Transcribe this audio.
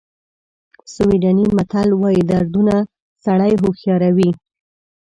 سویډني متل وایي دردونه سړی هوښیاروي.